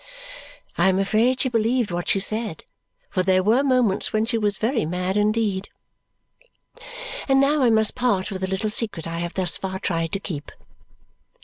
I am afraid she believed what she said, for there were moments when she was very mad indeed. And now I must part with the little secret I have thus far tried to keep.